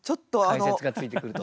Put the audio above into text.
解説がついてくると。